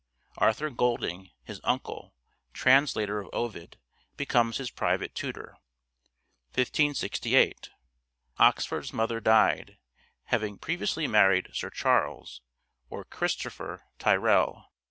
Arthur Golding (his uncle), translator of Ovid, becomes his private tutor. 1568. Oxford's mother died (having previously married Sir Charles — or Christopher — Tyrell.